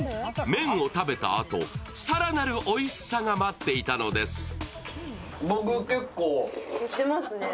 麺を食べた後、更なるおいしさが待っていたのです。